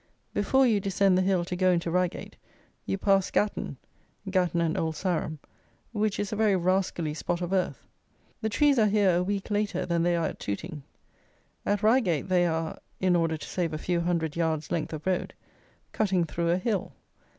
Before you descend the hill to go into Reigate, you pass Gatton ("Gatton and Old Sarum"), which is a very rascally spot of earth. The trees are here a week later than they are at Tooting. At Reigate they are (in order to save a few hundred yards length of road) cutting through a hill.